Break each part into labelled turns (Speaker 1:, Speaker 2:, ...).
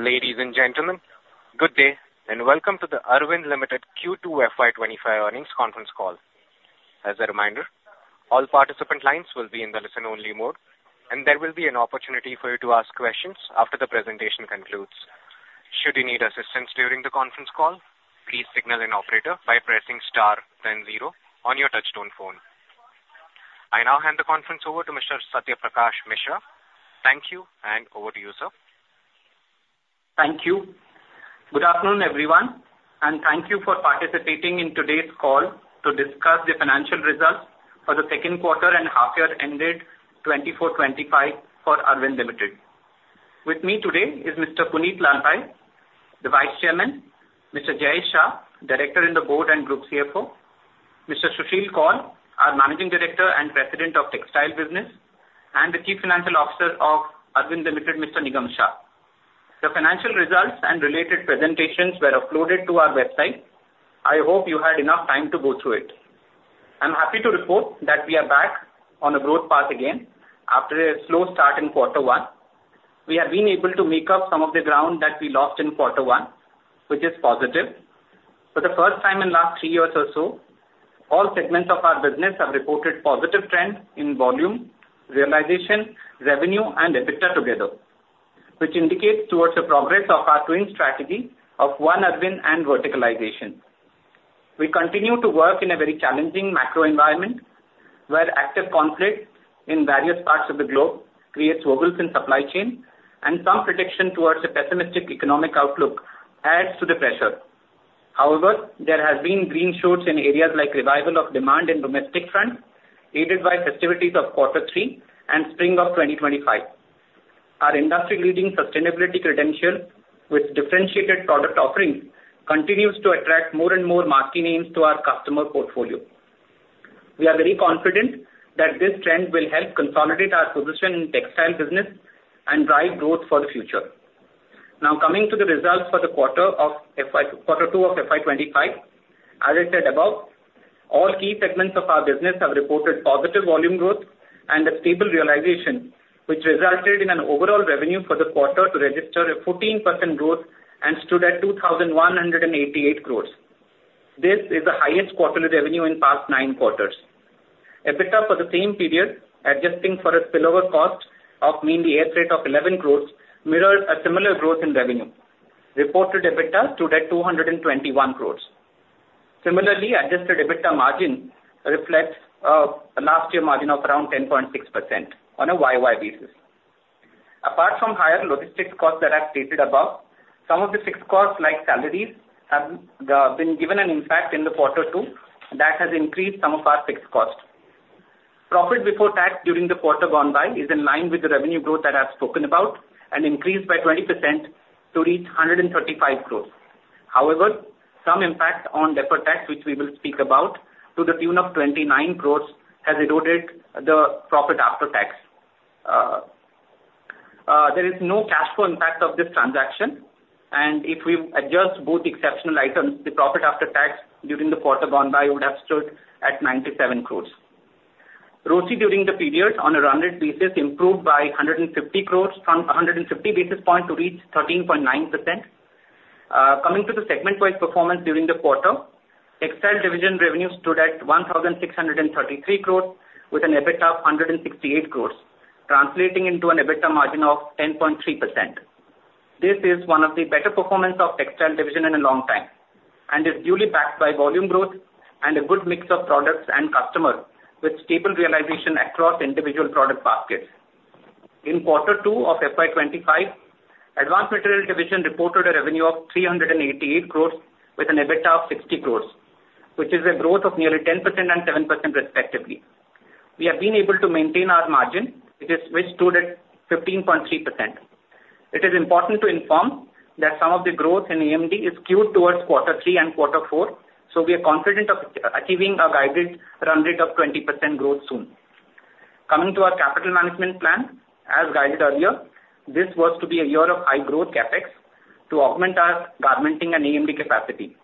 Speaker 1: Ladies and gentlemen, good day and welcome to the Arvind Limited Q2 FY 2025 earnings conference call. As a reminder, all participant lines will be in the listen-only mode, and there will be an opportunity for you to ask questions after the presentation concludes. Should you need assistance during the conference call, please signal an operator by pressing star, then zero, on your touch-tone phone. I now hand the conference over to Mr. Satya Prakash Mishra. Thank you, and over to you, sir.
Speaker 2: Thank you. Good afternoon, everyone, and thank you for participating in today's call to discuss the financial results for the second quarter and half-year ended 2024/2025 for Arvind Limited. With me today is Mr. Punit Lalbhai, the Vice Chairman, Mr. Jayesh Shah, Director in the Board and Group CFO, Mr. Susheel Kaul, our Managing Director and President of Textile Business, and the Chief Financial Officer of Arvind Limited, Mr. Nigam Shah. The financial results and related presentations were uploaded to our website. I hope you had enough time to go through it. I'm happy to report that we are back on a growth path again after a slow start in quarter one. We have been able to make up some of the ground that we lost in quarter one, which is positive. For the first time in the last three years or so, all segments of our business have reported positive trends in volume, realization, revenue, and EBITDA together, which indicates towards the progress of our Twin strategy of One Arvind and verticalization. We continue to work in a very challenging macro environment where active conflict in various parts of the globe creates wobbles in supply chain, and some prediction towards a pessimistic economic outlook adds to the pressure. However, there have been green shoots in areas like revival of demand in domestic front aided by festivities of quarter three and spring of 2025. Our industry-leading sustainability credential with differentiated product offering continues to attract more and more market names to our customer portfolio. We are very confident that this trend will help consolidate our position in textile business and drive growth for the future. Now, coming to the results for the quarter two of FY 2025, as I said above, all key segments of our business have reported positive volume growth and a stable realization, which resulted in an overall revenue for the quarter to register a 14% growth and stood at 2,188 crores. This is the highest quarterly revenue in past nine quarters. EBITDA for the same period, adjusting for a spillover cost of mainly air freight of 11 crores, mirrored a similar growth in revenue. Reported EBITDA stood at 221 crores. Similarly, adjusted EBITDA margin reflects a last-year margin of around 10.6% on a Y-Y basis. Apart from higher logistics costs that I've stated above, some of the fixed costs like salaries have been given an impact in the quarter two that has increased some of our fixed costs. Profit before tax during the quarter gone by is in line with the revenue growth that I've spoken about and increased by 20% to reach 135 crores. However, some impact on deferred tax, which we will speak about, to the tune of 29 crores has eroded the profit after tax. There is no cash flow impact of this transaction, and if we adjust both exceptional items, the profit after tax during the quarter gone by would have stood at 97 crores. RoCE during the period, on a rounded basis, improved by 150 crores from 150 basis points to reach 13.9%. Coming to the segment-wide performance during the quarter, Textile Division revenue stood at 1,633 crores with an EBITDA of 168 crores, translating into an EBITDA margin of 10.3%. This is one of the better performances of Textile Division in a long time and is duly backed by volume growth and a good mix of products and customers with stable realization across individual product baskets. In quarter two of FY 2025, Advanced Materials Division reported a revenue of 388 crores with an EBITDA of 60 crores, which is a growth of nearly 10% and 7% respectively. We have been able to maintain our margin, which stood at 15.3%. It is important to inform that some of the growth in AMD is skewed towards quarter two and quarter four, so we are confident of achieving a guided rounded of 20% growth soon. Coming to our capital management plan, as guided earlier, this was to be a year of high-growth CapEx to augment our garmenting and AMD capacity.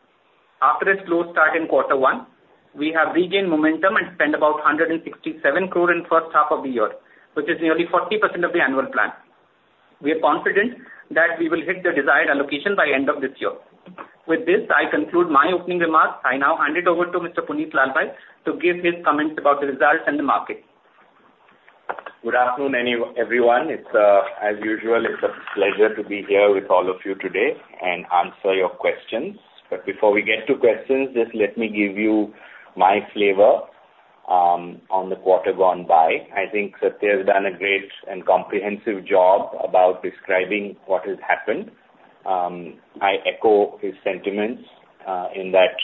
Speaker 2: After its slow start in Quarter one, we have regained momentum and spent about 167 crores in the first half of the year, which is nearly 40% of the annual plan. We are confident that we will hit the desired allocation by the end of this year. With this, I conclude my opening remarks. I now hand it over to Mr. Punit Lalbhai to give his comments about the results and the market.
Speaker 3: Good afternoon, everyone. As usual, it's a pleasure to be here with all of you today and answer your questions. But before we get to questions, just let me give you my flavor on the quarter gone by. I think Satya Prakash has done a great and comprehensive job about describing what has happened. I echo his sentiments in that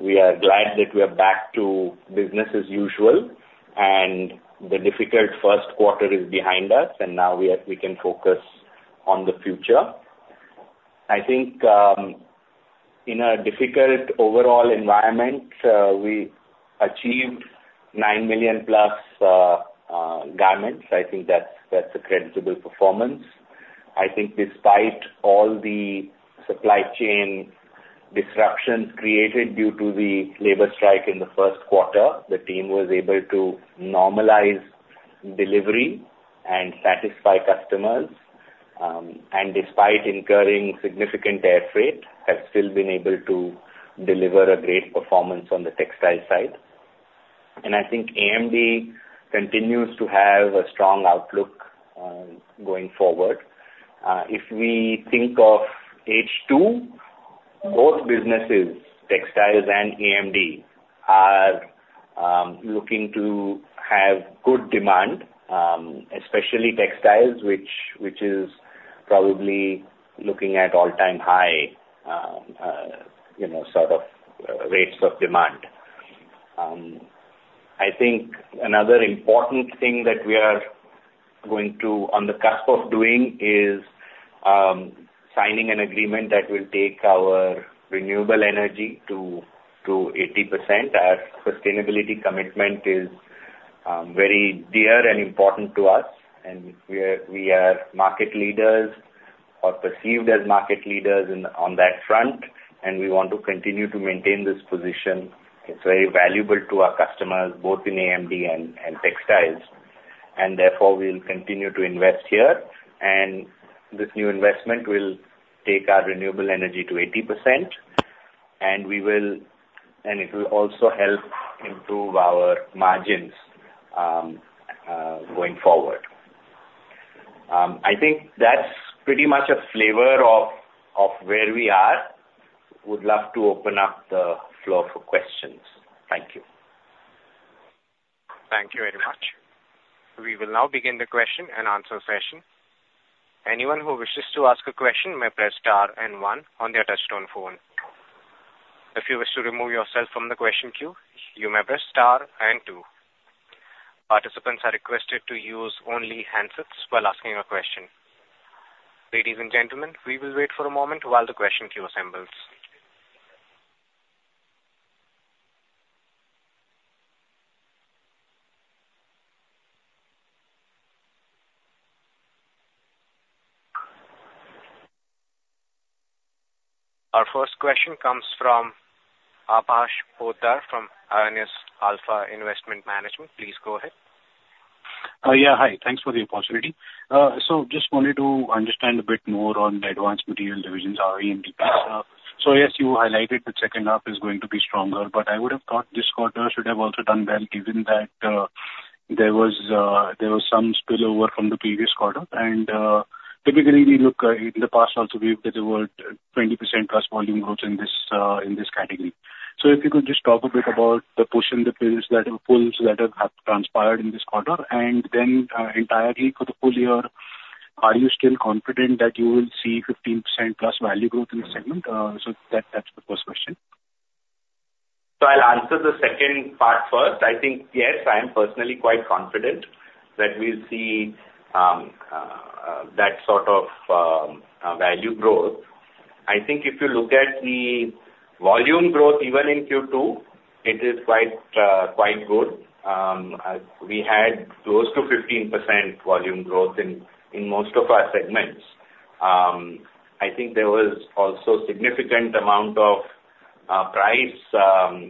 Speaker 3: we are glad that we are back to business as usual, and the difficult first quarter is behind us, and now we can focus on the future. I think in a difficult overall environment, we achieved nine million-plus garments. I think that's a credible performance. I think despite all the supply chain disruptions created due to the labor strike in the first quarter, the team was able to normalize delivery and satisfy customers. Despite incurring significant air freight, they have still been able to deliver a great performance on the textile side. I think AMD continues to have a strong outlook going forward. If we think of H2, both businesses, textiles and AMD, are looking to have good demand, especially textiles, which is probably looking at all-time high sort of rates of demand. I think another important thing that we are going to, on the cusp of doing, is signing an agreement that will take our renewable energy to 80%. Our sustainability commitment is very dear and important to us, and we are market leaders or perceived as market leaders on that front, and we want to continue to maintain this position. It's very valuable to our customers, both in AMD and textiles. And therefore, we'll continue to invest here, and this new investment will take our renewable energy to 80%, and it will also help improve our margins going forward. I think that's pretty much a flavor of where we are. I would love to open up the floor for questions. Thank you.
Speaker 1: Thank you very much. We will now begin the question and answer session. Anyone who wishes to ask a question may press star and one on their touch-tone phone. If you wish to remove yourself from the question queue, you may press star and two. Participants are requested to use only handsets while asking a question. Ladies and gentlemen, we will wait for a moment while the question queue assembles. Our first question comes from Aabhash Poddar from Aionios Alpha Investment Management. Please go ahead.
Speaker 4: Yeah, hi. Thanks for the opportunity. So just wanted to understand a bit more on the Advanced Materials Division's AMD piece. So yes, you highlighted the second half is going to be stronger, but I would have thought this quarter should have also done well given that there was some spillover from the previous quarter. And typically, we look in the past also we've delivered 20% plus volume growth in this category. So if you could just talk a bit about the push and the pulls that have transpired in this quarter, and then entirely for the full year, are you still confident that you will see 15%+ value growth in the segment? So that's the first question.
Speaker 3: So I'll answer the second part first. I think, yes, I'm personally quite confident that we'll see that sort of value growth. I think if you look at the volume growth, even in Q2, it is quite good. We had close to 15% volume growth in most of our segments. I think there was also a significant amount of price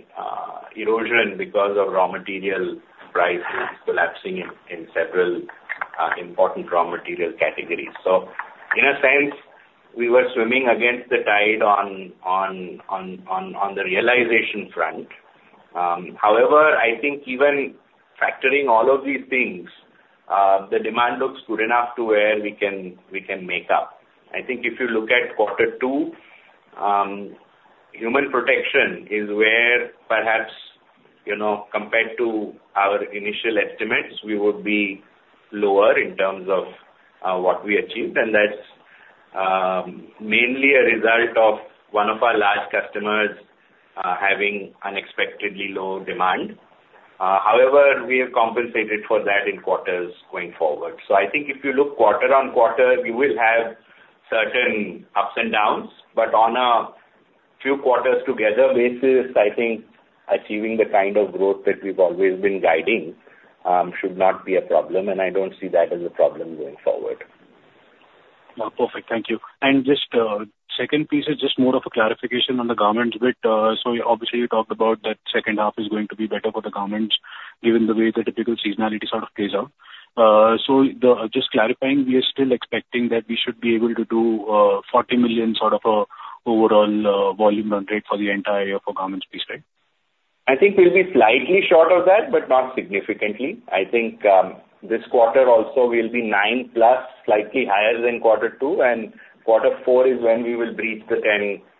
Speaker 3: erosion because of raw material prices collapsing in several important raw material categories. So in a sense, we were swimming against the tide on the realization front. However, I think even factoring all of these things, the demand looks good enough to where we can make up. I think if you look at quarter two, Human Protection is where perhaps compared to our initial estimates, we would be lower in terms of what we achieved, and that's mainly a result of one of our large customers having unexpectedly low demand. However, we have compensated for that in quarters going forward. So I think if you look quarter on quarter, you will have certain ups and downs, but on a few quarters together basis, I think achieving the kind of growth that we've always been guiding should not be a problem, and I don't see that as a problem going forward.
Speaker 4: Perfect. Thank you. And just the second piece is just more of a clarification on the garments bit. So obviously, you talked about that second half is going to be better for the garments given the way the typical seasonality sort of plays out. So just clarifying, we are still expecting that we should be able to do 40 million sort of an overall volume run rate for the entire garments piece, right?
Speaker 3: I think we'll be slightly short of that, but not significantly. I think this quarter also will be nine plus slightly higher than quarter two, and quarter four is when we will breach the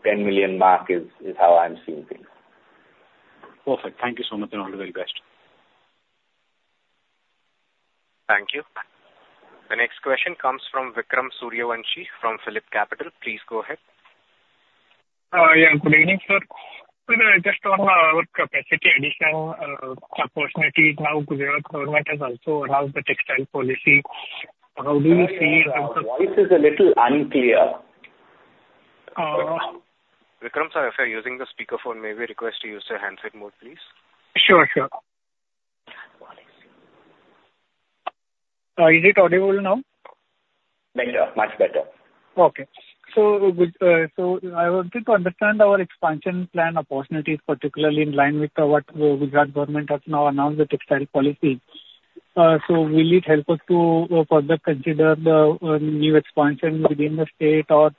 Speaker 3: 10-million mark is how I'm seeing things.
Speaker 4: Perfect. Thank you so much and all the very best.
Speaker 1: Thank you. The next question comes from Vikram Suryavanshi from PhillipCapital. Please go ahead.
Speaker 5: Yeah, good evening, sir. Just on our capacity addition opportunities now, the government has also announced the textile policy. How do you see in terms of?
Speaker 3: Voice is a little unclear. Vikram, sorry if you're using the speakerphone, may we request to use the handset mode, please?
Speaker 5: Sure, sure. Is it audible now?
Speaker 3: Better. Much better.
Speaker 5: I wanted to understand our expansion plan opportunities, particularly in line with what the Gujarat government has now announced, the textile policy. Will it help us to further consider the new expansion within the state, or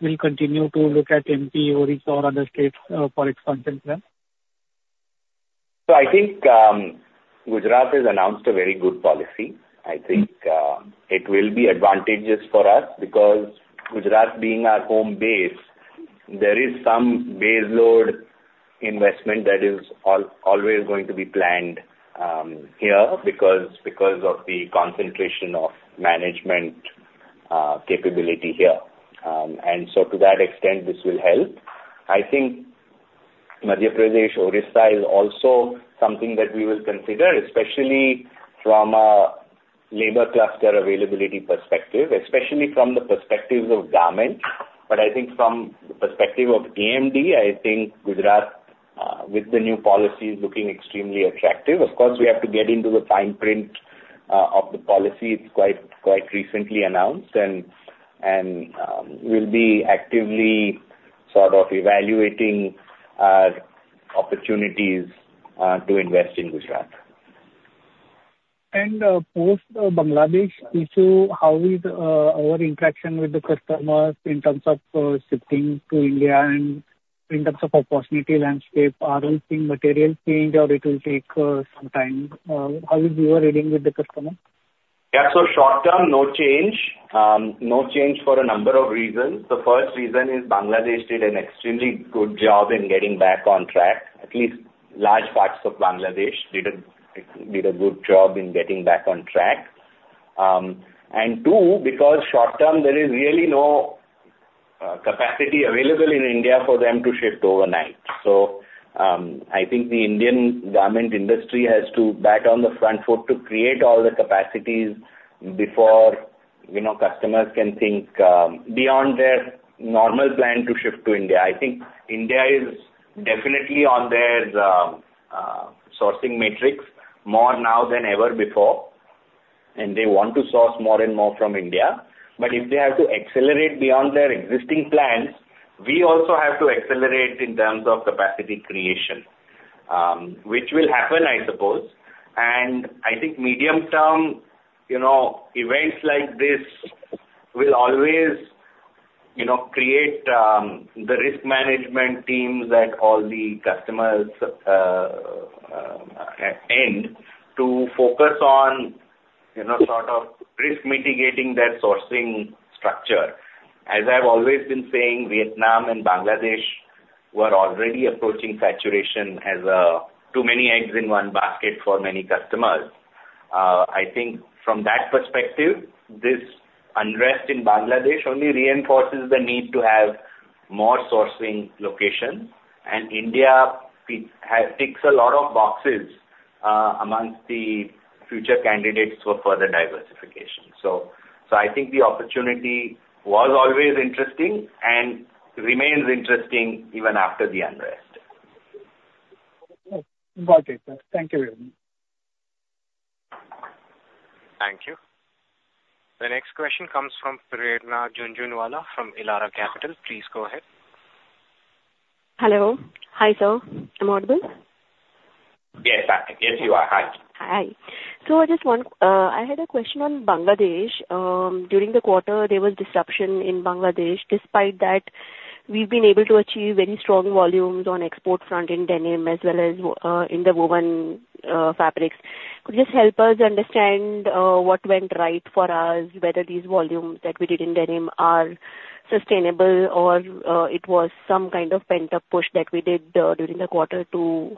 Speaker 5: will we continue to look at MP or other states for expansion plan?
Speaker 3: So I think Gujarat has announced a very good policy. I think it will be advantageous for us because Gujarat, being our home base, there is some base load investment that is always going to be planned here because of the concentration of management capability here. And so to that extent, this will help. I think Madhya Pradesh, Odisha is also something that we will consider, especially from a labor cluster availability perspective, especially from the perspectives of garments. But I think from the perspective of AMD, I think Gujarat, with the new policy, is looking extremely attractive. Of course, we have to get into the fine print of the policy. It's quite recently announced, and we'll be actively sort of evaluating our opportunities to invest in Gujarat.
Speaker 5: Post-Bangladesh issue, how is our interaction with the customers in terms of shifting to India and in terms of opportunity landscape? Are we seeing material change, or it will take some time? How is your reading with the customer?
Speaker 3: Yeah, so short term, no change. No change for a number of reasons. The first reason is Bangladesh did an extremely good job in getting back on track. At least large parts of Bangladesh did a good job in getting back on track. And two, because short term, there is really no capacity available in India for them to shift overnight. So I think the Indian garment industry has to back on the front foot to create all the capacities before customers can think beyond their normal plan to shift to India. I think India is definitely on their sourcing matrix more now than ever before, and they want to source more and more from India. But if they have to accelerate beyond their existing plans, we also have to accelerate in terms of capacity creation, which will happen, I suppose. And I think medium-term events like this will always create the risk management teams at all the customers' end to focus on sort of risk mitigating that sourcing structure. As I've always been saying, Vietnam and Bangladesh were already approaching saturation as too many eggs in one basket for many customers. I think from that perspective, this unrest in Bangladesh only reinforces the need to have more sourcing locations, and India ticks a lot of boxes amongst the future candidates for further diversification. So I think the opportunity was always interesting and remains interesting even after the unrest.
Speaker 5: Got it. Thank you very much.
Speaker 1: Thank you. The next question comes from Prerna Jhunjhunwala from Elara Capital. Please go ahead.
Speaker 6: Hello. Hi, sir. Am I audible?
Speaker 3: Yes, yes, you are. Hi.
Speaker 6: Hi. So I just wanted. I had a question on Bangladesh. During the quarter, there was disruption in Bangladesh. Despite that, we've been able to achieve very strong volumes on export front in Denim as well as in the woven fabrics. Could you just help us understand what went right for us, whether these volumes that we did in Denim are sustainable, or it was some kind of pent-up push that we did during the quarter to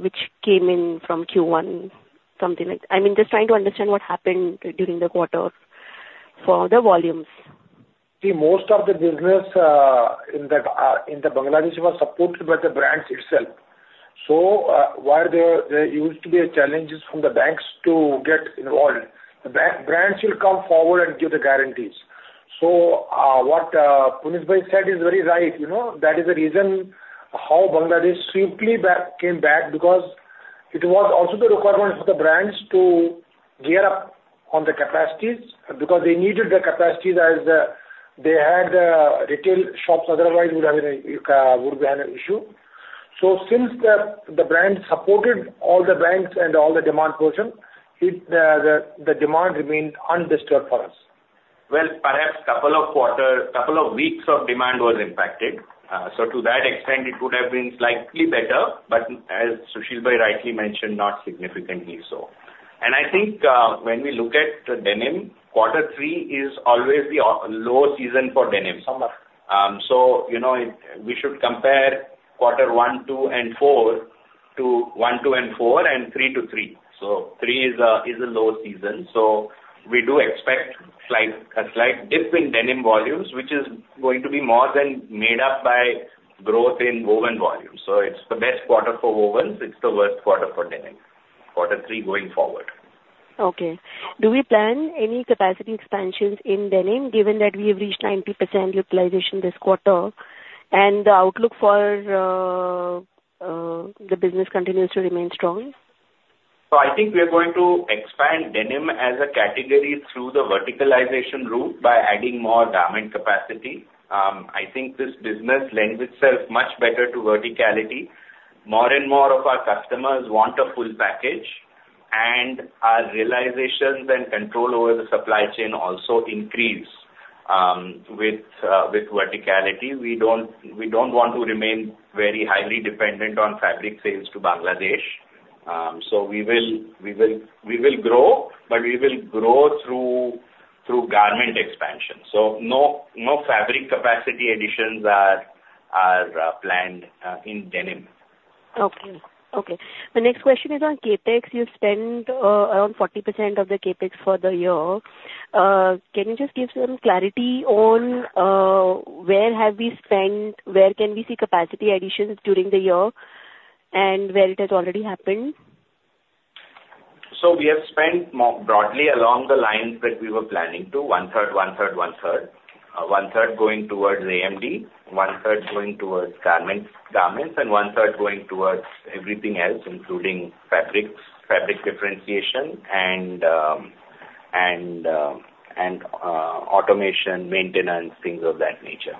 Speaker 6: which came in from Q1, something like that? I mean, just trying to understand what happened during the quarter for the volumes.
Speaker 7: See, most of the business in Bangladesh was supported by the brands itself. So there used to be a challenge from the banks to get involved. The brands will come forward and give the guarantees. So what Punit Lalbhai said is very right. That is the reason how Bangladesh simply came back because it was also the requirement for the brands to gear up on the capacities because they needed the capacities as they had retail shops. Otherwise, we would have an issue. So since the brands supported all the banks and all the demand portion, the demand remained undisturbed for us.
Speaker 3: Perhaps a couple of quarters, a couple of weeks of demand was impacted. So to that extent, it would have been slightly better, but as Susheel Bhai rightly mentioned, not significantly so. And I think when we look at the Denim, quarter three is always the low season for Denim. So we should compare quarter one, two, and four to one, two, and four, and three to three. So three is a low season. So we do expect a slight dip in Denim volumes, which is going to be more than made up by growth in woven volumes. So it's the best quarter for wovens. It's the worst quarter for Denim. Quarter three going forward.
Speaker 6: Okay. Do we plan any capacity expansions in Denim given that we have reached 90% utilization this quarter and the outlook for the business continues to remain strong?
Speaker 3: So I think we are going to expand Denim as a category through the verticalization route by adding more garment capacity. I think this business lends itself much better to verticality. More and more of our customers want a full package, and our realizations and control over the supply chain also increase with verticality. We don't want to remain very highly dependent on fabric sales to Bangladesh. So we will grow, but we will grow through garment expansion. So no fabric capacity additions are planned in Denim.
Speaker 6: Okay. Okay. The next question is on CapEx. You spend around 40% of the CapEx for the year. Can you just give some clarity on where have we spent? Where can we see capacity additions during the year and where it has already happened?
Speaker 3: So we have spent broadly along the lines that we were planning to: one-third, one-third, one-third. One-third going towards AMD, one-third going towards garments, and one-third going towards everything else, including fabrics, fabric differentiation, and automation, maintenance, things of that nature.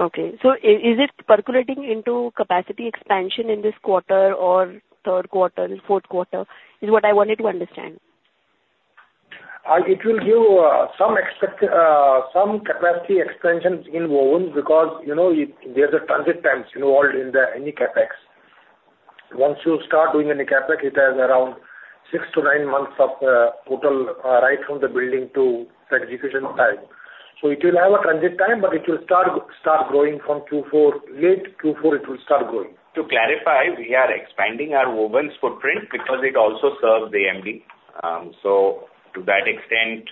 Speaker 6: Okay, so is it percolating into capacity expansion in this quarter or third quarter, fourth quarter? It's what I wanted to understand.
Speaker 7: It will give some capacity expansions in wovens because there's a transit time involved in any CapEx. Once you start doing any CapEx, it has around six to nine months of total right from the building to execution time. So it will have a transit time, but it will start growing from Q4. Late Q4, it will start growing.
Speaker 3: To clarify, we are expanding our wovens footprint because it also serves AMD. So to that extent,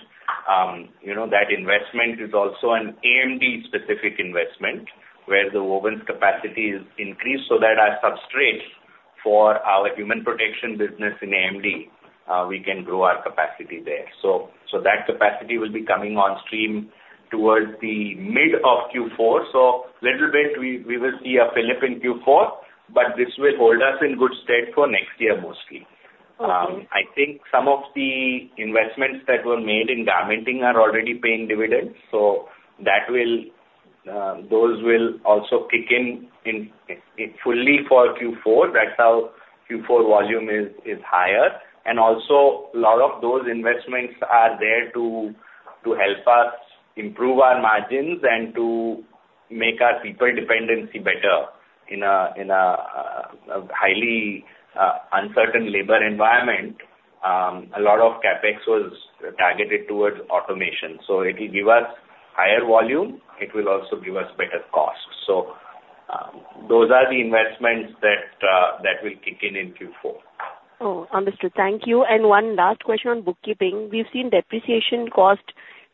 Speaker 3: that investment is also an AMD-specific investment where the wovens capacity is increased so that our substrate for our human protection business in AMD, we can grow our capacity there. So that capacity will be coming on stream towards the mid of Q4. So a little bit, we will see a flip in Q4, but this will hold us in good stead for next year mostly. I think some of the investments that were made in garmenting are already paying dividends. So those will also kick in fully for Q4. That's how Q4 volume is higher. And also, a lot of those investments are there to help us improve our margins and to make our people dependency better. In a highly uncertain labor environment, a lot of CapEx was targeted towards automation. So it will give us higher volume. It will also give us better costs. So those are the investments that will kick in in Q4.
Speaker 6: Oh, understood. Thank you. And one last question on bookkeeping. We've seen depreciation cost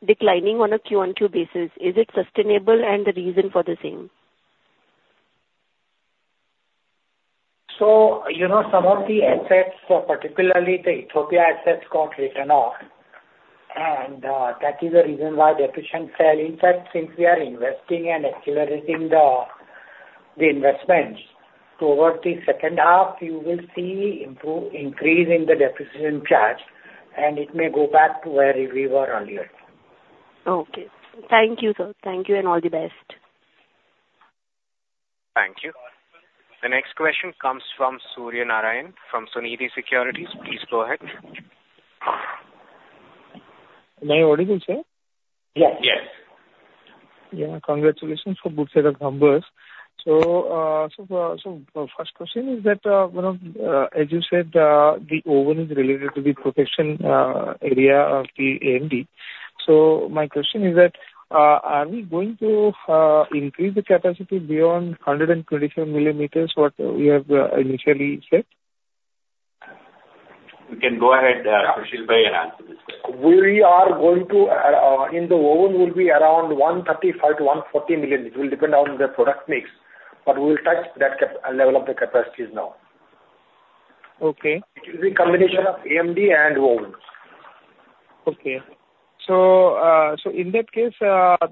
Speaker 6: declining on a Q1, 2 basis. Is it sustainable, and the reason for the same?
Speaker 7: So some of the assets, particularly the Ethiopia assets, got written off. And that is the reason why depreciation fell. In fact, since we are investing and accelerating the investments towards the second half, you will see an increase in the depreciation charge, and it may go back to where we were earlier.
Speaker 6: Okay. Thank you, sir. Thank you, and all the best.
Speaker 1: Thank you. The next question comes from Surya Narayan from Sunidhi Securities. Please go ahead.
Speaker 8: May I order this, sir?
Speaker 3: Yes. Yes.
Speaker 8: Yeah. Congratulations for good set of numbers. So first question is that, as you said, Human Protection is related to the protection area of the AMD. So my question is that, are we going to increase the capacity beyond 125 million meters, what we have initially said?
Speaker 3: You can go ahead. Susheel Kaul will answer this question.
Speaker 7: We are going to in the wovens will be around 135 million-140 million. It will depend on the product mix, but we will touch that level of the capacities now.
Speaker 8: Okay.
Speaker 7: It will be a combination of AMD and wovens.
Speaker 8: Okay. So in that case, that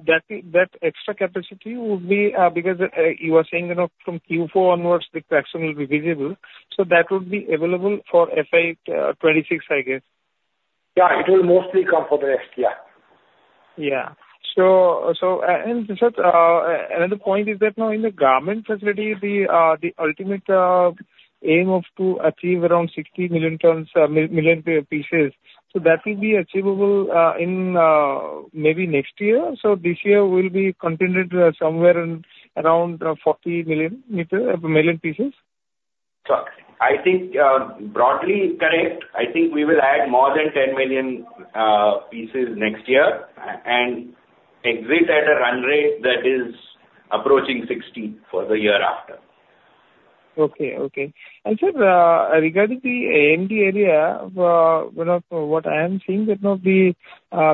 Speaker 8: extra capacity will be because you were saying from Q4 onwards, the CapEx will be visible. So that would be available for FY 2026, I guess.
Speaker 7: Yeah. It will mostly come for the next year.
Speaker 8: Yeah. Another point is that now in the garment facility, the ultimate aim is to achieve around 60 million pieces. That will be achievable in maybe next year. This year will be contingent somewhere around 40 million pieces.
Speaker 3: So I think broadly correct. I think we will add more than 10 million pieces next year and exit at a run rate that is approaching 60 for the year after.
Speaker 8: Okay. Okay. And sir, regarding the AMD area, what I am seeing that the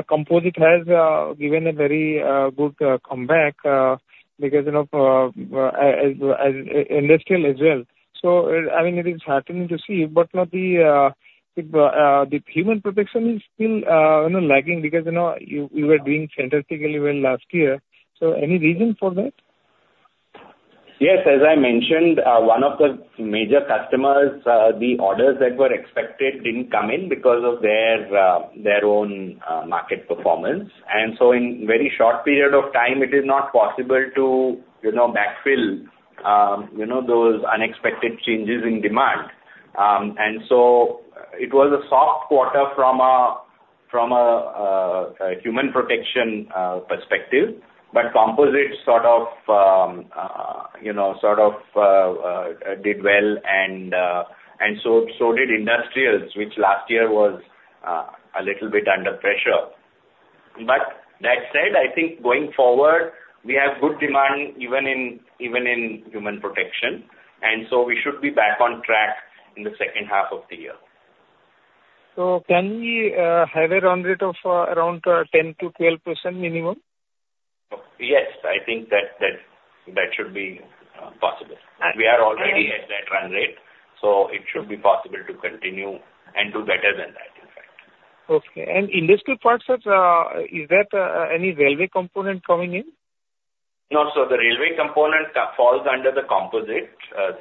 Speaker 8: composite has given a very good comeback because of industrial as well. So I mean, it is heartening to see, but the human protection is still lagging because you were doing fantastically well last year. So any reason for that?
Speaker 3: Yes. As I mentioned, one of the major customers, the orders that were expected didn't come in because of their own market performance. And so in a very short period of time, it is not possible to backfill those unexpected changes in demand. And so it was a soft quarter from a Human Protection perspective, but Composites sort of did well, and so did Industrials, which last year was a little bit under pressure. But that said, I think going forward, we have good demand even in Human Protection. And so we should be back on track in the second half of the year.
Speaker 8: Can we have a run rate of around 10%-12% minimum?
Speaker 3: Yes. I think that should be possible. We are already at that run rate, so it should be possible to continue and do better than that, in fact.
Speaker 8: Okay. And industrial parts, is that any railway component coming in?
Speaker 3: No. So the railway component falls under the composite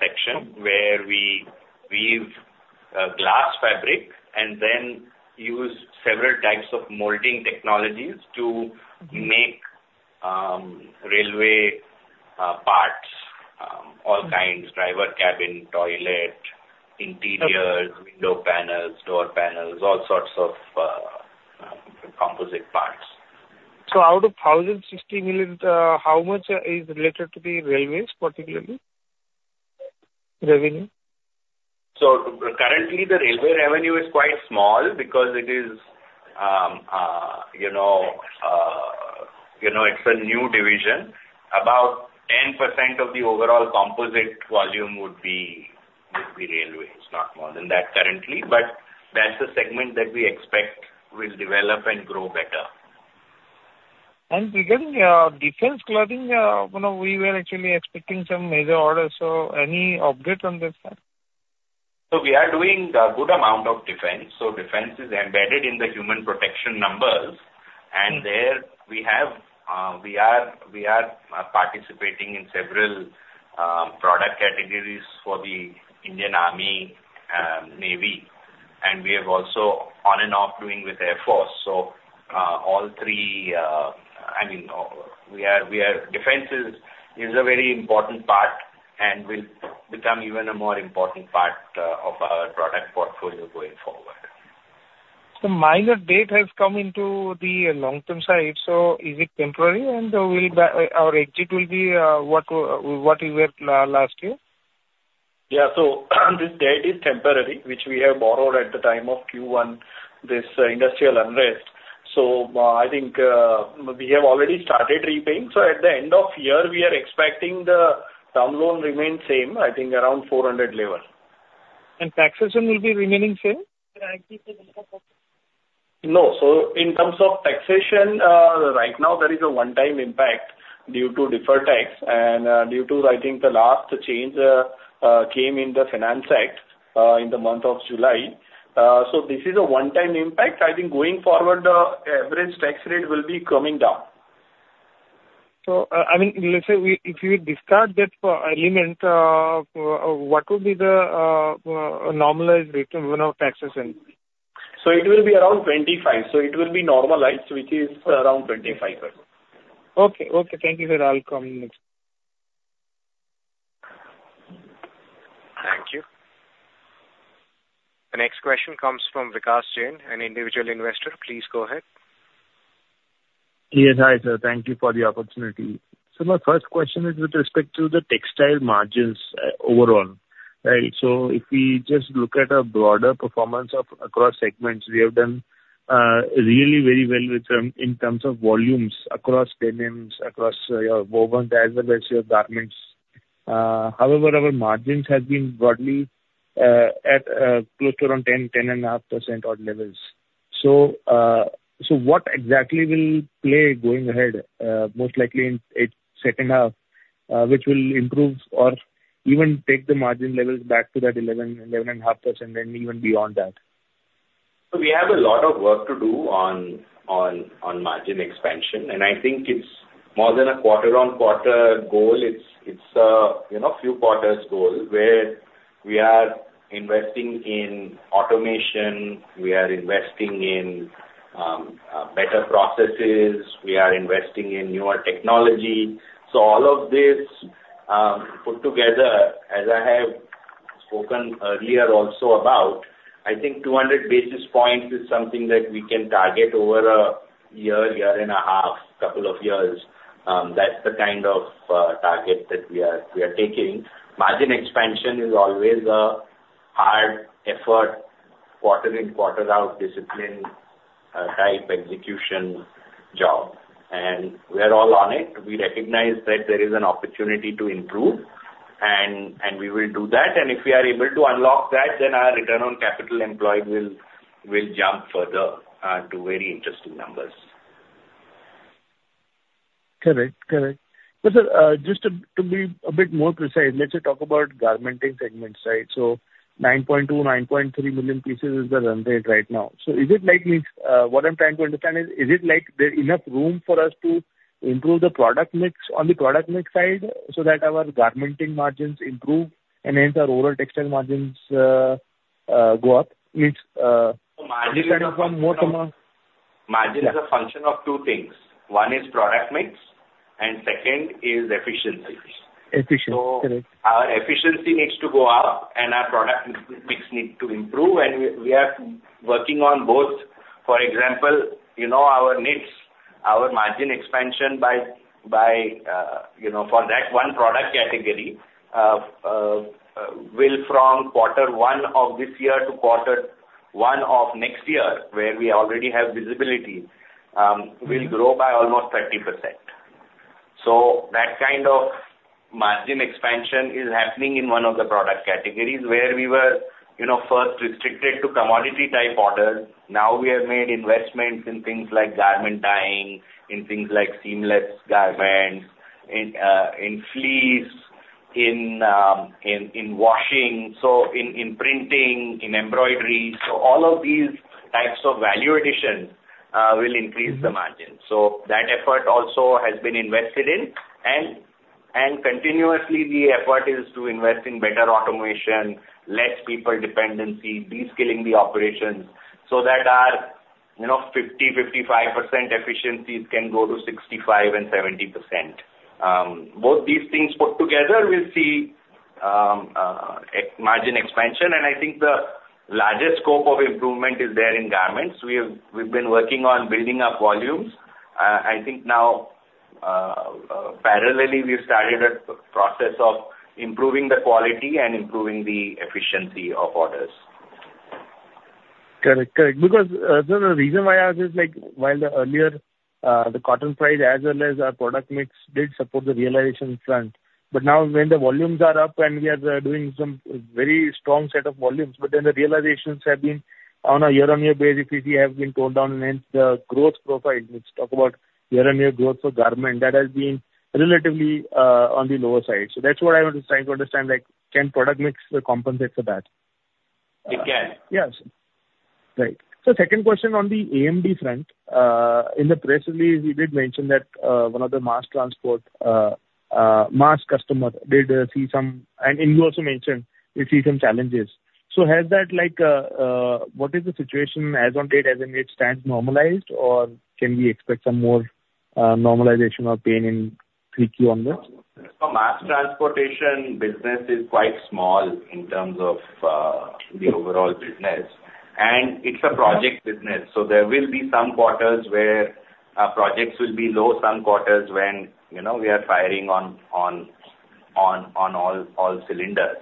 Speaker 3: section where we weave glass fabric and then use several types of molding technologies to make railway parts, all kinds: driver cabin, toilet, interiors, window panels, door panels, all sorts of composite parts.
Speaker 8: So out of 160 million, how much is related to the railways, particularly revenue?
Speaker 3: Currently, the railway revenue is quite small because it's a new division. About 10% of the overall composite volume would be railways. Not more than that currently, but that's the segment that we expect will develop and grow better.
Speaker 8: Regarding defense clothing, we were actually expecting some major orders. Any update on this?
Speaker 3: So, we are doing a good amount of defense. Defense is embedded in the Human Protection numbers, and there we are participating in several product categories for the Indian Army, Indian Navy, and we have also on and off doing with Indian Air Force. So all three, I mean, defense is a very important part and will become even a more important part of our product portfolio going forward.
Speaker 8: So, minor debt has come into the long-term side. So is it temporary? And our EBITDA will be what we were last year?
Speaker 7: Yeah. So this debt is temporary, which we have borrowed at the time of Q1, this industrial unrest. So I think we have already started repaying. So at the end of year, we are expecting the debt load remain same, I think around 400 level.
Speaker 8: Taxation will be remaining same?
Speaker 7: No. So in terms of taxation, right now, there is a one-time impact due to deferred tax and due to, I think, the last change came in the Finance Act in the month of July. So this is a one-time impact. I think going forward, the average tax rate will be coming down.
Speaker 8: I mean, let's say if you discard that element, what will be the normalized rate of taxation?
Speaker 3: So it will be around 2025. So it will be normalized, which is around 2025.
Speaker 8: Okay. Okay. Thank you, Lalbhai. I'll come next.
Speaker 1: Thank you. The next question comes from Vikas Jain, an individual investor. Please go ahead.
Speaker 9: Yes. Hi, sir. Thank you for the opportunity. So my first question is with respect to the textile margins overall, right? So if we just look at a broader performance across segments, we have done really very well in terms of volumes across Denim, across wovens as well as your garments. However, our margins have been broadly at close to around 10%-10.5% odd levels. So what exactly will play going ahead, most likely in the second half, which will improve or even take the margin levels back to that 11%-11.5% and even beyond that?
Speaker 3: So we have a lot of work to do on margin expansion, and I think it's more than a quarter-on-quarter goal. It's a few quarters goal where we are investing in automation. We are investing in better processes. We are investing in newer technology. So all of this put together, as I have spoken earlier also about, I think 200 basis points is something that we can target over a year, year and a half, couple of years. That's the kind of target that we are taking. Margin expansion is always a hard effort, quarter in quarter out discipline type execution job. And we are all on it. We recognize that there is an opportunity to improve, and we will do that. And if we are able to unlock that, then our return on capital employed will jump further to very interesting numbers.
Speaker 9: Correct. Correct. Well, sir, just to be a bit more precise, let's talk about garmenting segments, right? So 9.2, 9.3 million pieces is the run rate right now. So is it like what I'm trying to understand is, is it like there's enough room for us to improve the product mix on the product mix side so that our garmenting margins improve and hence our overall textile margins go up? I mean, understanding from more from a.
Speaker 3: Margin is a function of two things. One is product mix, and second is efficiency.
Speaker 9: Efficiency. Correct.
Speaker 3: Our efficiency needs to go up, and our product mix needs to improve. We are working on both. For example, our knits, our margin expansion for that one product category will, from quarter one of this year to quarter one of next year, where we already have visibility, will grow by almost 30%. That kind of margin expansion is happening in one of the product categories where we were first restricted to commodity type orders. Now we have made investments in things like garment dyeing, in things like seamless garments, in fleece, in washing, so in printing, in embroidery. All of these types of value addition will increase the margin. That effort also has been invested in. Continuously, the effort is to invest in better automation, less people dependency, de-skilling the operations so that our 50%-55% efficiencies can go to 65% and 70%. Both these things put together, we'll see margin expansion. I think the largest scope of improvement is there in garments. We've been working on building up volumes. I think now, parallelly, we've started a process of improving the quality and improving the efficiency of orders.
Speaker 9: Correct. Correct. Because the reason why I ask is, while earlier, the cotton price as well as our product mix did support the realization front, but now when the volumes are up and we are doing some very strong set of volumes, but then the realizations have been on a year-on-year basis, we have been toned down, and hence the growth profile. Let's talk about year-on-year growth for garment. That has been relatively on the lower side. So that's what I want to try to understand. Can product mix compensate for that?
Speaker 3: It can.
Speaker 9: Yes. Right. So, second question on the AMD front. In the press release, you did mention that one of the mass transport customers did see some, and you also mentioned you see some challenges. So, what is the situation as on date as it stands normalized, or can we expect some more normalization or pain in Q2 on this?
Speaker 3: So mass transportation business is quite small in terms of the overall business. And it's a project business. So there will be some quarters where projects will be low, some quarters when we are firing on all cylinders.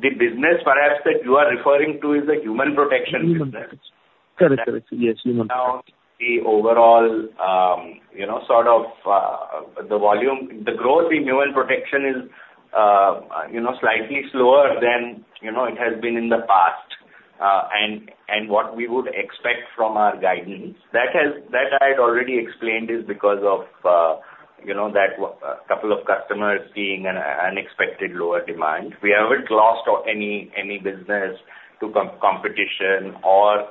Speaker 3: The business perhaps that you are referring to is the human protection business.
Speaker 9: Correct. Correct. Yes. Human Protection.
Speaker 3: Now, the overall sort of the growth in Human Protection is slightly slower than it has been in the past. And what we would expect from our guidance, that I had already explained, is because of that couple of customers seeing an unexpected lower demand. We haven't lost any business to competition, or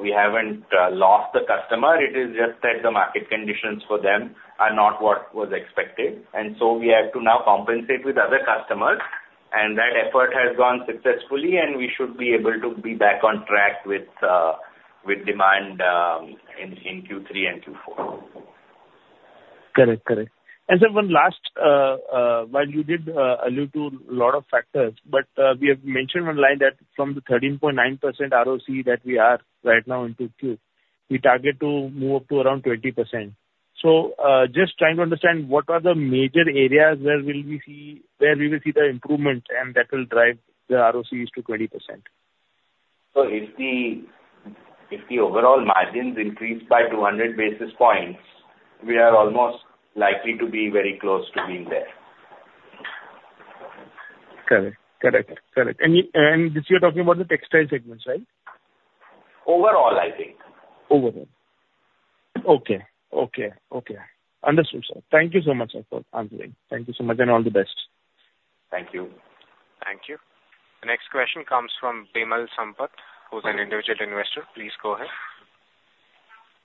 Speaker 3: we haven't lost the customer. It is just that the market conditions for them are not what was expected. And so we have to now compensate with other customers. And that effort has gone successfully, and we should be able to be back on track with demand in Q3 and Q4.
Speaker 9: Correct. And sir, one last while you did allude to a lot of factors, but we have mentioned one line that from the 13.9% RoCE that we are right now in Q2, we target to move up to around 20%. So just trying to understand what are the major areas where we will see the improvement, and that will drive the RoCEs to 20%?
Speaker 3: If the overall margins increase by 200 basis points, we are almost likely to be very close to being there.
Speaker 9: Correct. And this you're talking about the textile segments, right?
Speaker 3: Overall, I think.
Speaker 9: Overall. Okay. Okay. Okay. Understood, sir. Thank you so much for answering. Thank you so much and all the best.
Speaker 3: Thank you.
Speaker 1: Thank you. The next question comes from Bimal Sampat, who's an individual investor. Please go ahead.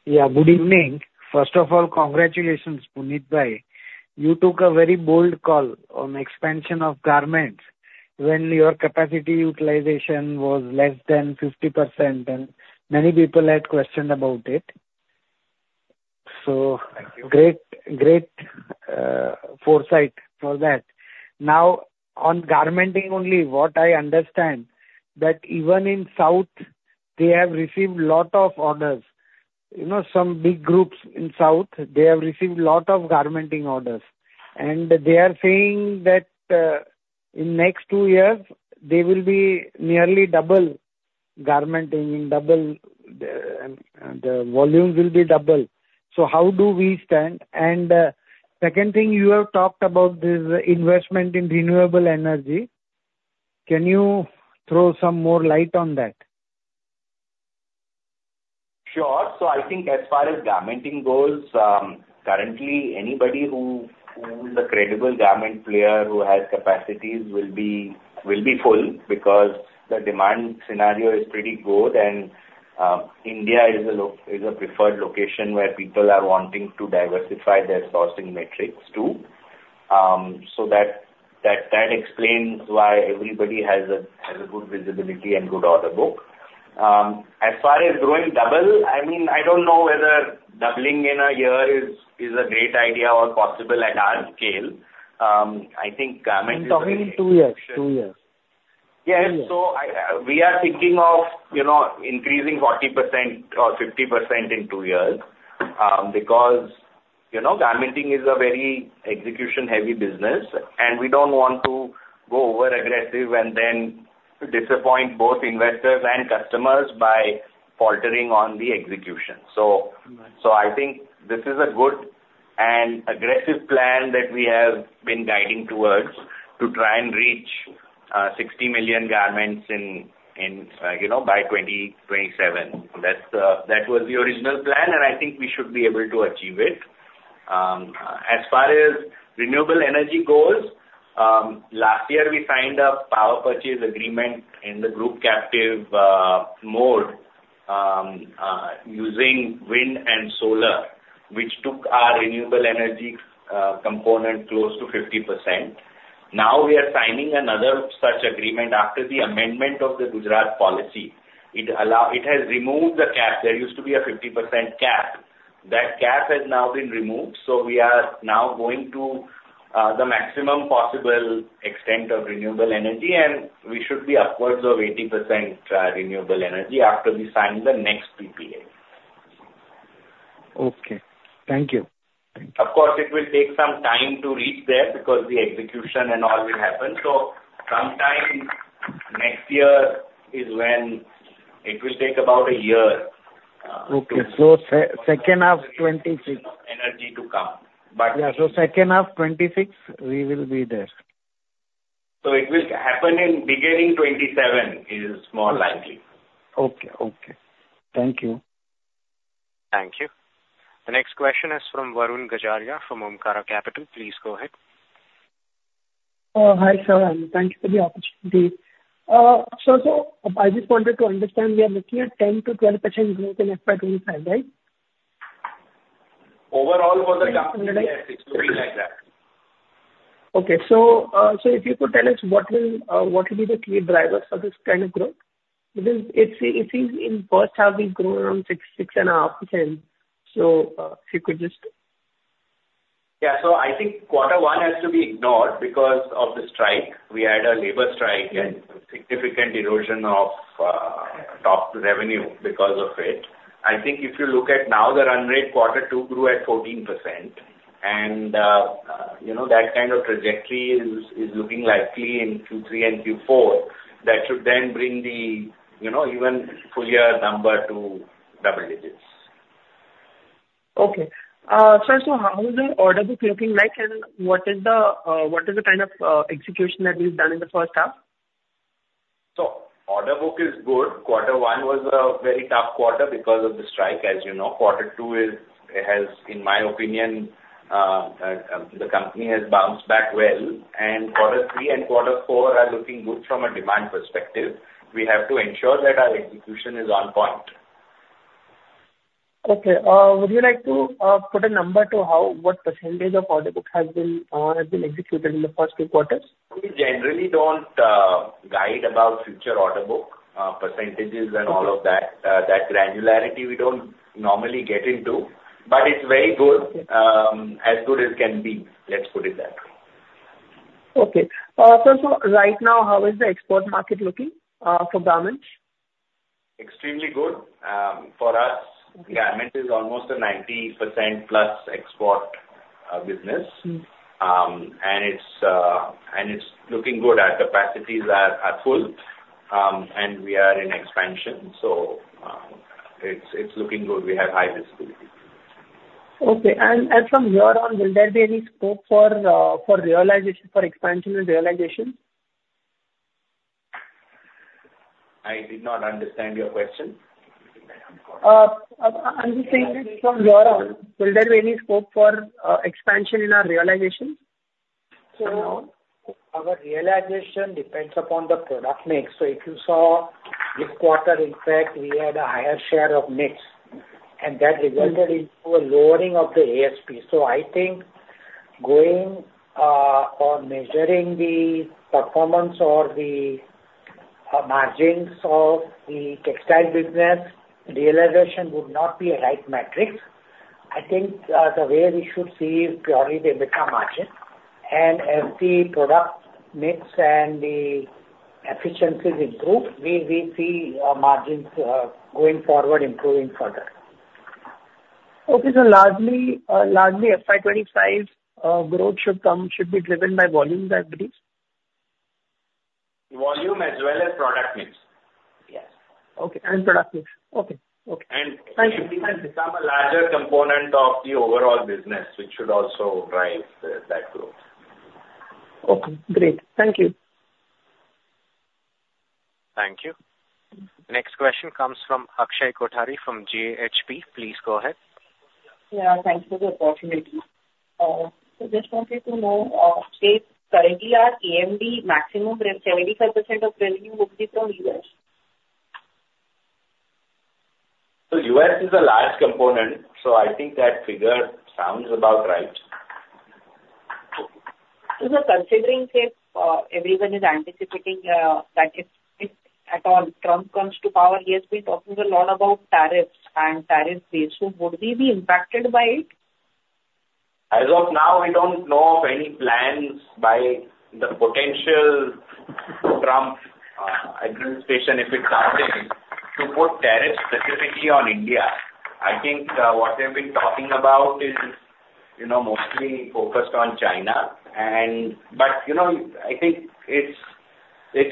Speaker 9: Yeah. Good evening. First of all, congratulations, Punit Bhai. You took a very bold call on expansion of garments when your capacity utilization was less than 50%, and many people had questioned about it. So great foresight for that. Now, on garmenting only, what I understand that even in South, they have received a lot of orders. Some big groups in South, they have received a lot of garmenting orders. And they are saying that in next two years, there will be nearly double garmenting, and the volumes will be double. So how do we stand? And second thing, you have talked about this investment in renewable energy. Can you throw some more light on that?
Speaker 3: Sure. So I think as far as garmenting goes, currently, anybody who is a credible garment player who has capacities will be full because the demand scenario is pretty good. And India is a preferred location where people are wanting to diversify their sourcing metrics too. So that explains why everybody has a good visibility and good order book. As far as growing double, I mean, I don't know whether doubling in a year is a great idea or possible at our scale. I think garment is a good.
Speaker 9: You're talking in two years. Two years.
Speaker 3: Yes. So we are thinking of increasing 40% or 50% in two years because garmenting is a very execution-heavy business, and we don't want to go over aggressive and then disappoint both investors and customers by faltering on the execution. So I think this is a good and aggressive plan that we have been guiding towards to try and reach 60 million garments by 2027. That was the original plan, and I think we should be able to achieve it. As far as renewable energy goals, last year, we signed a power purchase agreement in the group captive mode using wind and solar, which took our renewable energy component close to 50%. Now we are signing another such agreement after the amendment of the Gujarat policy. It has removed the cap. There used to be a 50% cap. That cap has now been removed. So we are now going to the maximum possible extent of renewable energy, and we should be upwards of 80% renewable energy after we sign the next PPA.
Speaker 9: Okay. Thank you.
Speaker 3: Of course, it will take some time to reach there because the execution and all will happen. So sometime next year is when it will take about a year.
Speaker 9: Okay, so second half 2026.
Speaker 3: Energy to come.
Speaker 9: Yeah. So second half 2026, we will be there.
Speaker 3: So it will happen in beginning 2027 is more likely.
Speaker 9: Okay. Okay. Thank you.
Speaker 1: Thank you. The next question is from Varun Gajaria from Omkara Capital. Please go ahead.
Speaker 10: Hi, sir. Thank you for the opportunity. Sir, so I just wanted to understand, we are looking at 10%-12% growth in FY 2025, right?
Speaker 3: Overall for the, yes, it's looking like that.
Speaker 10: Okay. So if you could tell us what will be the key drivers for this kind of growth? Because it seems in first half, we've grown around 6.5%. So if you could just.
Speaker 3: Yeah. So I think quarter one has to be ignored because of the strike. We had a labor strike and significant erosion of top revenue because of it. I think if you look at now, the run rate quarter two grew at 14%. And that kind of trajectory is looking likely in Q3 and Q4. That should then bring the even full year number to double digits.
Speaker 10: Okay. Sir, so how is the order book looking like, and what is the kind of execution that we've done in the first half?
Speaker 3: So order book is good. Quarter one was a very tough quarter because of the strike, as you know. Quarter two has, in my opinion, the company has bounced back well. And quarter three and quarter four are looking good from a demand perspective. We have to ensure that our execution is on point.
Speaker 10: Okay. Would you like to put a number to what percentage of order book has been executed in the first two quarters?
Speaker 3: We generally don't guide about future order book percentages and all of that. That granularity, we don't normally get into. But it's very good, as good as can be. Let's put it that way.
Speaker 10: Okay. Sir, so right now, how is the export market looking for garments?
Speaker 3: Extremely good. For us, garment is almost a 90%+ export business. And it's looking good. Our capacities are full, and we are in expansion. So it's looking good. We have high visibility.
Speaker 10: Okay, and from here on, will there be any scope for expansion and realization?
Speaker 3: I did not understand your question.
Speaker 10: I'm just saying that from here on, will there be any scope for expansion in our realization?
Speaker 7: Our realization depends upon the product mix. If you saw this quarter, in fact, we had a higher share of mix, and that resulted in a lowering of the ASP. I think going or measuring the performance or the margins of the textile business, realization would not be a right metric. I think the way we should see is purely the mid-term margin. As the product mix and the efficiencies improve, we see margins going forward, improving further.
Speaker 10: Okay. So largely, FY 2025 growth should be driven by volume, that means?
Speaker 3: Volume as well as product mix.
Speaker 10: Yes. Okay. And product mix. Okay. Okay.
Speaker 3: Some larger component of the overall business, which should also drive that growth.
Speaker 10: Okay. Great. Thank you.
Speaker 1: Thank you. Next question comes from Akshay Kothari from JHP. Please go ahead.
Speaker 11: Yeah. Thank you for the opportunity. So just wanted to know, currently, our AMD maximum risk, 75% of revenue will be from U.S.?
Speaker 3: So U.S. is a large component. So I think that figure sounds about right.
Speaker 11: So considering that everyone is anticipating that if at all Trump comes to power, he has been talking a lot about tariffs and tariff base, would we be impacted by it?
Speaker 3: As of now, we don't know of any plans by the potential Trump administration if it's something to put tariffs specifically on India. I think what they've been talking about is mostly focused on China. But I think it's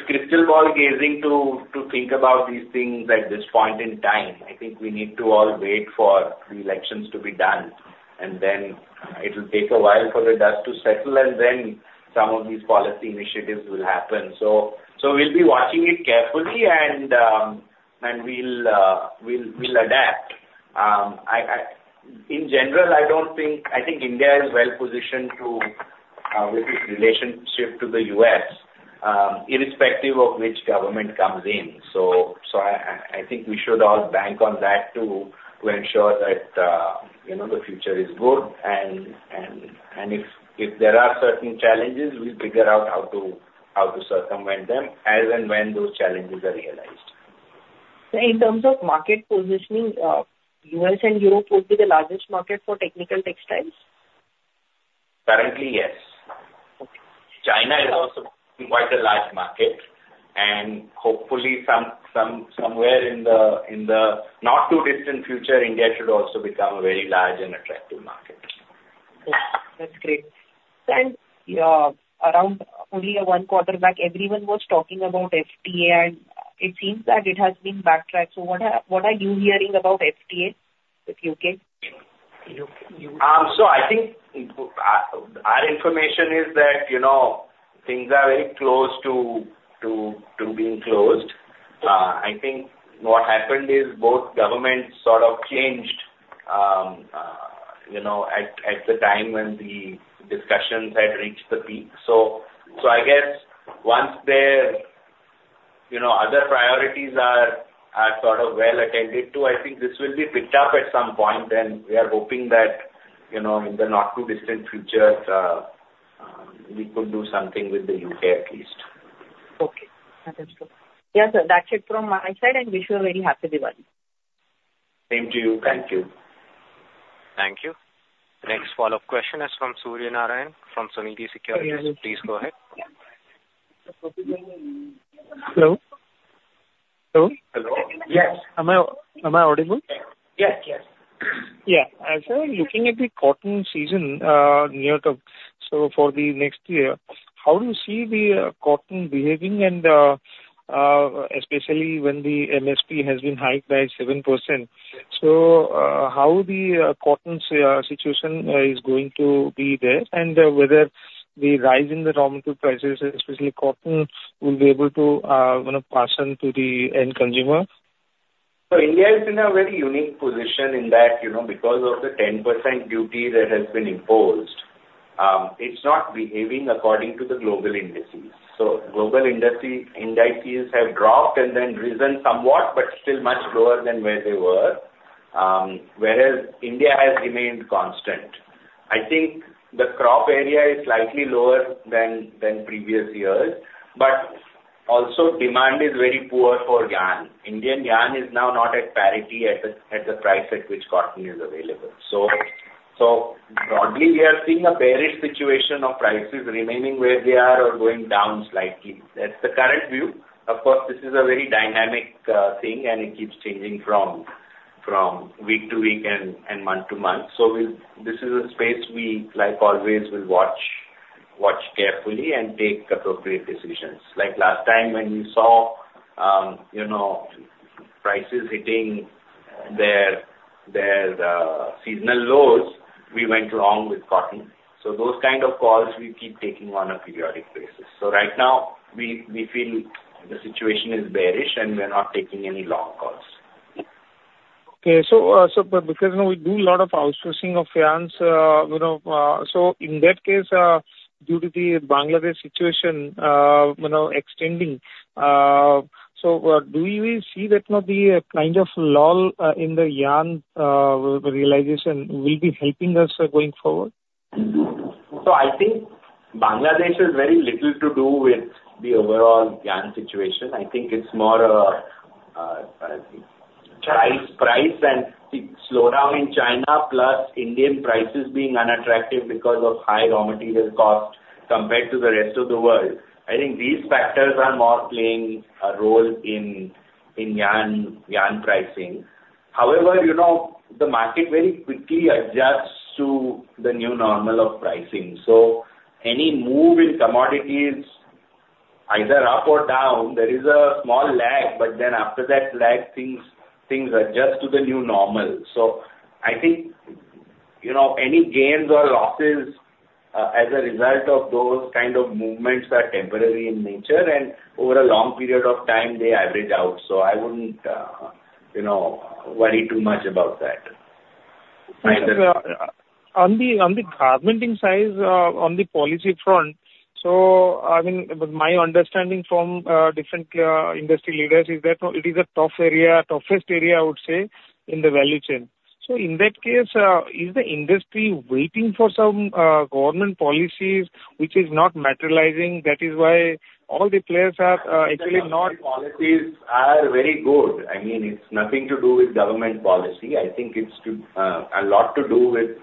Speaker 3: crystal ball gazing to think about these things at this point in time. I think we need to all wait for the elections to be done. And then it will take a while for the dust to settle, and then some of these policy initiatives will happen. So we'll be watching it carefully, and we'll adapt. In general, I think India is well positioned with its relationship to the U.S., irrespective of which government comes in. So I think we should all bank on that to ensure that the future is good. If there are certain challenges, we'll figure out how to circumvent them as and when those challenges are realized.
Speaker 11: In terms of market positioning, U.S. and Europe would be the largest market for technical textiles?
Speaker 3: Currently, yes. China is also quite a large market. And hopefully, somewhere in the not-too-distant future, India should also become a very large and attractive market.
Speaker 11: That's great. And around only a one quarter back, everyone was talking about FTA, and it seems that it has been backtracked. So what are you hearing about FTA with U.K.?
Speaker 3: So I think our information is that things are very close to being closed. I think what happened is both governments sort of changed at the time when the discussions had reached the peak. So I guess once their other priorities are sort of well attended to, I think this will be picked up at some point. And we are hoping that in the not-too-distant future, we could do something with the U.K. at least.
Speaker 10: Okay. Understood. Yes, that's it from my side, and wish you a very happy Diwali.
Speaker 3: Same to you. Thank you.
Speaker 1: Thank you. Next follow-up question is from Surya Narayan from Sunidhi Securities. Please go ahead.
Speaker 8: Hello. Hello.
Speaker 3: Hello.
Speaker 8: Yes. Am I audible?
Speaker 3: Yes. Yes.
Speaker 8: Yeah. As I'm looking at the cotton season nearing its close so for the next year, how do you see the cotton behaving, especially when the MSP has been hiked by 7%? So how the cotton situation is going to be there and whether the rise in the raw material prices, especially cotton, will be able to pass on to the end consumer?
Speaker 3: India is in a very unique position in that because of the 10% duty that has been imposed, it's not behaving according to the global indices. Global indices have dropped and then risen somewhat, but still much lower than where they were, whereas India has remained constant. I think the crop area is slightly lower than previous years, but also demand is very poor for yarn. Indian yarn is now not at parity at the price at which cotton is available. Broadly, we are seeing a bearish situation of prices remaining where they are or going down slightly. That's the current view. Of course, this is a very dynamic thing, and it keeps changing from week to week and month to month. This is a space we, like always, will watch carefully and take appropriate decisions. Like last time when we saw prices hitting their seasonal lows, we went long with cotton. So those kind of calls we keep taking on a periodic basis. So right now, we feel the situation is bearish, and we're not taking any long calls.
Speaker 8: Okay. So because we do a lot of outsourcing of yarns, so in that case, due to the Bangladesh situation extending, so do you see that the kind of lull in the yarn realization will be helping us going forward?
Speaker 3: So I think Bangladesh has very little to do with the overall yarn situation. I think it's more price and slowdown in China, plus Indian prices being unattractive because of high raw material cost compared to the rest of the world. I think these factors are more playing a role in yarn pricing. However, the market very quickly adjusts to the new normal of pricing. So any move in commodities, either up or down, there is a small lag, but then after that lag, things adjust to the new normal. So I think any gains or losses as a result of those kind of movements are temporary in nature, and over a long period of time, they average out. So I wouldn't worry too much about that.
Speaker 8: On the garmenting side on the policy front, so I mean, my understanding from different industry leaders is that it is a tough area, toughest area, I would say, in the value chain. So in that case, is the industry waiting for some government policies which are not materializing? That is why all the players are actually not.
Speaker 3: Policies are very good. I mean, it's nothing to do with government policy. I think it's a lot to do with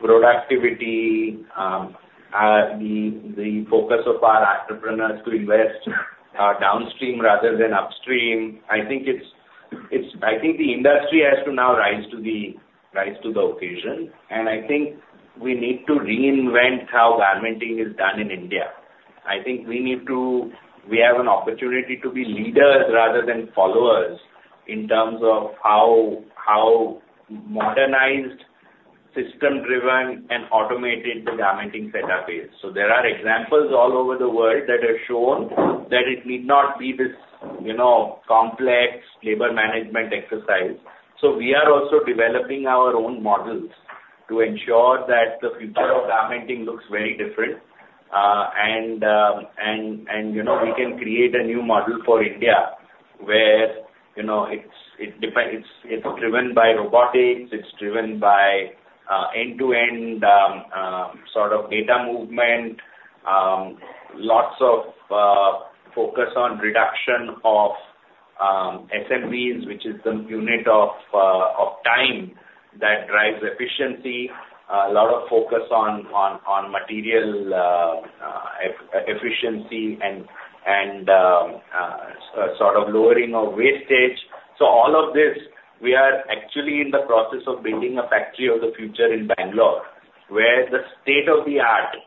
Speaker 3: productivity, the focus of our entrepreneurs to invest downstream rather than upstream. I think the industry has to now rise to the occasion, and I think we need to reinvent how garmenting is done in India. I think we need to have an opportunity to be leaders rather than followers in terms of how modernized, system-driven, and automated the garmenting setup is. So there are examples all over the world that have shown that it need not be this complex labor management exercise, so we are also developing our own models to ensure that the future of garmenting looks very different. We can create a new model for India where it's driven by robotics. It's driven by end-to-end sort of data movement, lots of focus on reduction of SMVs, which is the unit of time that drives efficiency, a lot of focus on material efficiency, and sort of lowering of wastage. All of this, we are actually in the process of building a factory of the future in Bangalore, where the state-of-the-art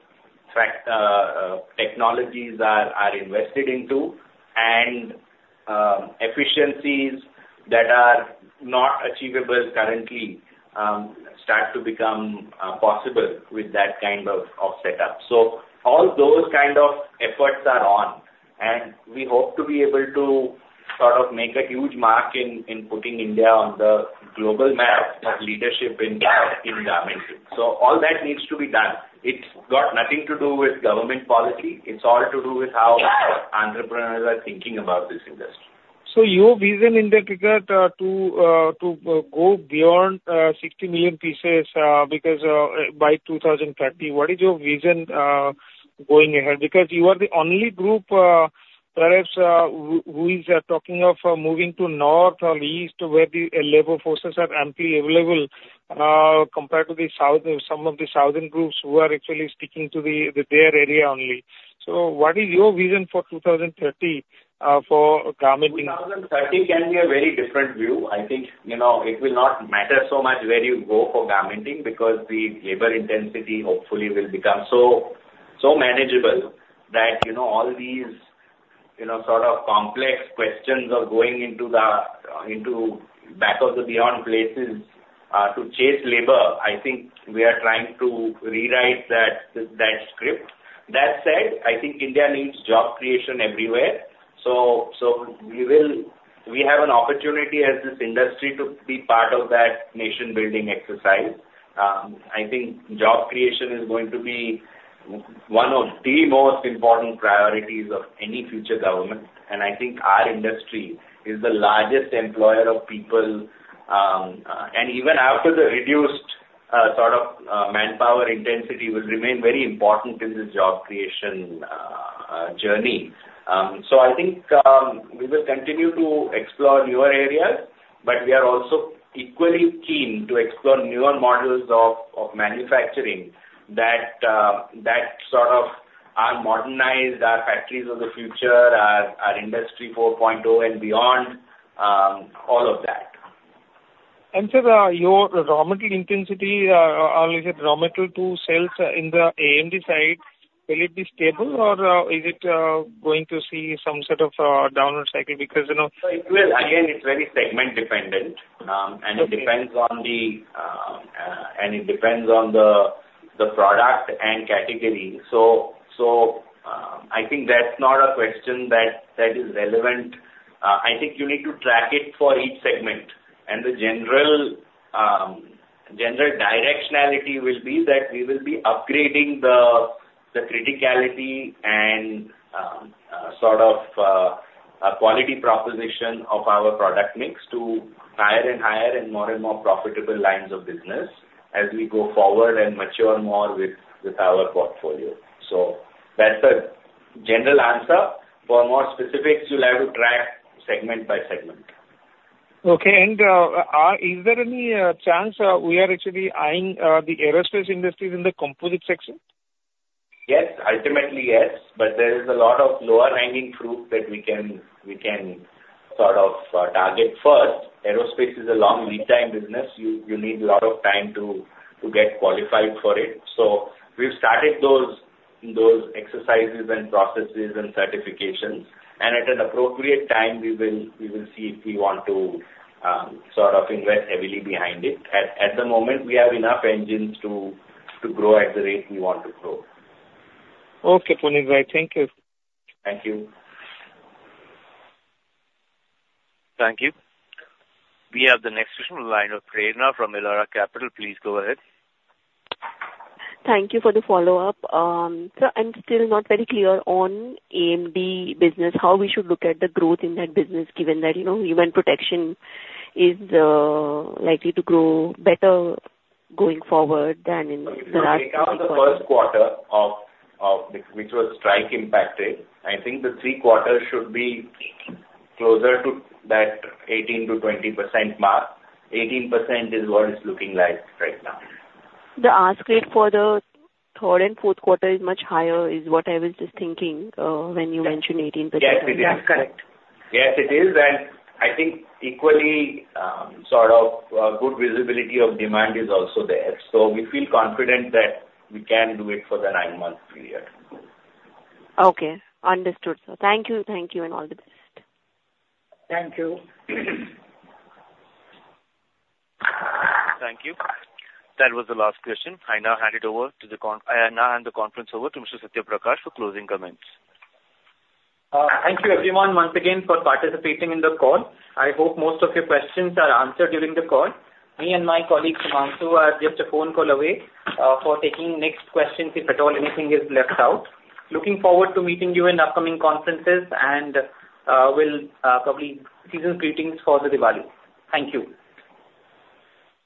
Speaker 3: technologies are invested into, and efficiencies that are not achievable currently start to become possible with that kind of setup. All those kind of efforts are on. We hope to be able to sort of make a huge mark in putting India on the global map of leadership in garmenting. All that needs to be done. It's got nothing to do with government policy. It's all to do with how entrepreneurs are thinking about this industry.
Speaker 8: So your vision in that regard to go beyond 60 million pieces by 2030, what is your vision going ahead? Because you are the only group, perhaps, who is talking of moving to north or east where the labor forces are amply available compared to some of the southern groups who are actually sticking to their area only. So what is your vision for 2030 for garmenting?
Speaker 3: 2030 can be a very different view. I think it will not matter so much where you go for garmenting because the labor intensity hopefully will become so manageable that all these sort of complex questions of going into back-of-the-beyond places to chase labor. I think we are trying to rewrite that script. That said, I think India needs job creation everywhere. So we have an opportunity as this industry to be part of that nation-building exercise. I think job creation is going to be one of the most important priorities of any future government. And I think our industry is the largest employer of people. And even after the reduced sort of manpower intensity, it will remain very important in the job creation journey. So I think we will continue to explore newer areas, but we are also equally keen to explore newer models of manufacturing that sort of are modernized, our factories of the future, our Industry 4.0, and beyond, all of that.
Speaker 8: And so your raw material intensity, or is it raw material to sales in the AMD side, will it be stable, or is it going to see some sort of downward cycle? Because.
Speaker 3: Again, it's very segment-dependent, and it depends on the product and category. So I think that's not a question that is relevant. I think you need to track it for each segment. And the general directionality will be that we will be upgrading the criticality and sort of quality proposition of our product mix to higher and higher and more and more profitable lines of business as we go forward and mature more with our portfolio. So that's a general answer. For more specifics, you'll have to track segment by segment.
Speaker 8: Okay, and is there any chance we are actually eyeing the aerospace industry in the Composites section?
Speaker 3: Yes. Ultimately, yes. But there is a lot of lower-hanging fruit that we can sort of target first. Aerospace is a long lead-time business. You need a lot of time to get qualified for it. So we've started those exercises and processes and certifications. And at an appropriate time, we will see if we want to sort of invest heavily behind it. At the moment, we have enough engines to grow at the rate we want to grow.
Speaker 8: Okay, Punit Lalbhai. Thank you.
Speaker 3: Thank you.
Speaker 1: Thank you. We have the next question from Prerna Jhunjhunwala from Elara Capital. Please go ahead.
Speaker 6: Thank you for the follow-up. I'm still not very clear on AMD business, how we should look at the growth in that business, given that Human Protection is likely to grow better going forward than in the last.
Speaker 3: During the first quarter, which was strike-impacted, I think the three quarters should be closer to that 18%-20% mark. 18% is what it's looking like right now.
Speaker 6: The ask rate for the third and fourth quarter is much higher, is what I was just thinking when you mentioned 18%.
Speaker 3: Yes, it is.
Speaker 6: Yes, correct
Speaker 3: Yes, it is. And I think equally sort of good visibility of demand is also there. So we feel confident that we can do it for the nine-month period.
Speaker 6: Okay. Understood. Thank you. Thank you. And all the best.
Speaker 8: Thank you.
Speaker 1: Thank you. That was the last question. I now hand the conference over to Mr. Satya Prakash for closing comments.
Speaker 2: Thank you, everyone, once again, for participating in the call. I hope most of your questions are answered during the call. Me and my colleague, Sumanth, are just a phone call away for taking next questions if at all anything is left out. Looking forward to meeting you in upcoming conferences and will probably season's greetings for Diwali. Thank you.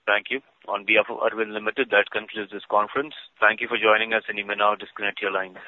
Speaker 1: Thank you. On behalf of Arvind Limited, that concludes this conference. Thank you for joining us, and you may now disconnect your lines.